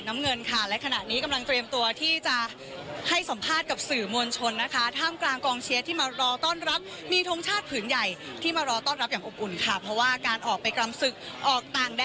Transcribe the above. รายงานจากภาคกาศยานสุวรรณภูมิครับ